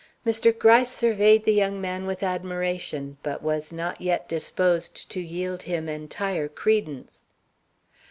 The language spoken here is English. Mr. Gryce surveyed the young man with admiration, but was not yet disposed to yield him entire credence.